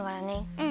うん。